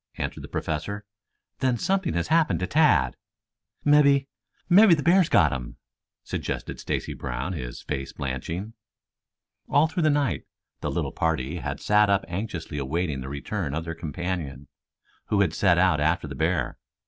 answered the Professor. "Then something has happened to Tad." "Mebby mebby the bear's got him," suggested Stacy Brown, his face blanching. All through the night the little party had sat up anxiously awaiting the return of their companion, who had set out after the bear.